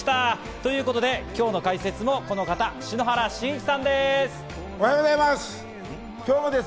ということで今日の解説もこの方、篠原信一さんおはようございます。